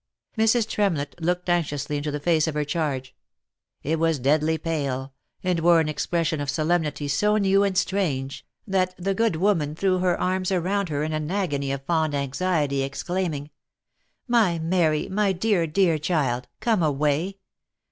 Mrs. Tremlett looked anxiously into the face of her charge. It was deadly pale, and wore an expression of solemnity so new and strange, that the good woman threw her arms around her in an agony of fond anxiety, exclaiming, " My Mary, my dear, dear child ! come away